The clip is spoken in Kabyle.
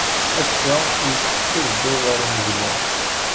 Ass-a, yessefk ad dduɣ ɣer umedlu.